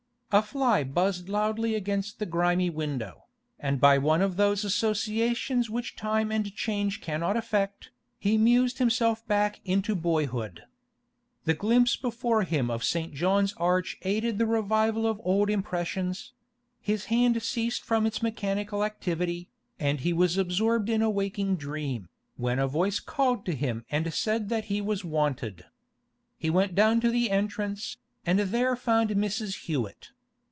A fly buzzed loudly against the grimy window, and by one of those associations which time and change cannot affect, he mused himself back into boyhood. The glimpse before him of St. John's Arch aided the revival of old impressions; his hand ceased from its mechanical activity, and he was absorbed in a waking dream, when a voice called to him and said that he was wanted. He went down to the entrance, and there found Mrs. Hewett.